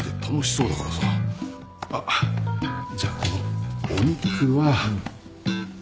あっじゃあこのお肉はここかな。